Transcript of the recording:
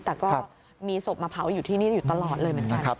แต่ก็มีศพมาเผาอยู่ที่นี่อยู่ตลอดเลยเหมือนกัน